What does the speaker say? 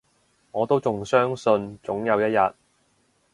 我都仲相信，總有一日